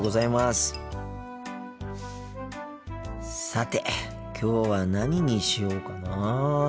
さてきょうは何にしようかな。